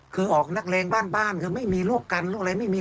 คือออกนักเลงบ้านบ้านคือไม่มีลูกกันโรคอะไรไม่มี